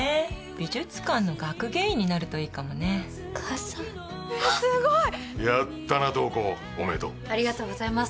美術館の学芸員になるといいかもねお母さん・えっすごいやったな瞳子おめでとうありがとうございます